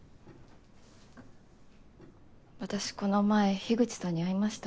私この前樋口さんに会いました。